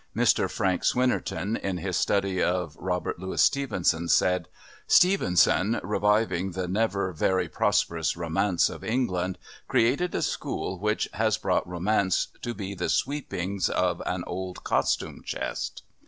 Mr Frank Swinnerton, in his study of Robert Louis Stevenson, said: "Stevenson, reviving the never very prosperous romance of England, created a school which has brought romance to be the sweepings of an old costume chest